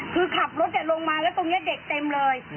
คือขับรถลงมาแล้วตรงนี้เด็กเต็มเลย